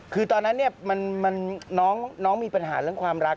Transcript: คือตอนนั้นเนี่ยน้องมีปัญหาเรื่องความรัก